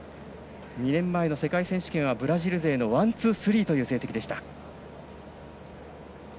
２年前の世界選手権はブラジル勢のワン、ツー、スリーという成績でした。